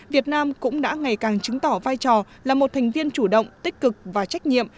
việt nam cũng đã ngày càng chứng tỏ vai trò là một thành viên chủ động tích cực và trách nhiệm